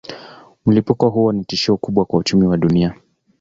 Mlipuko huo ni tishio kubwa kwa uchumi wa dunia.